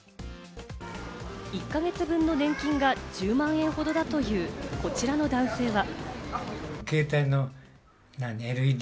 １か月分の年金が１０万円ほどだという、こちらの男性は。